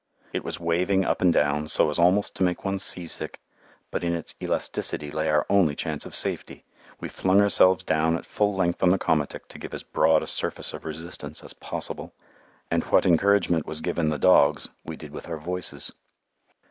It was waving up and down so as almost to make one seasick, but in its elasticity lay our only chance of safety. We flung ourselves down at full length on the komatik to give as broad a surface of resistance as possible, and what encouragement was given the dogs we did with our voices.